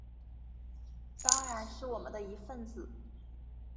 当然是我们的一分子